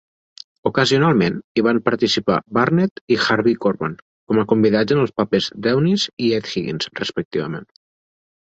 Ocasionalment, hi van participar Burnett i Harvey Korman com a convidats en els papers d'Eunice i Ed Higgins, respectivament.